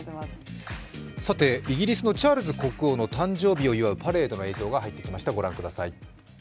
イギリスのチャールズ国王の誕生日を祝うパレードの映像が入ってきました。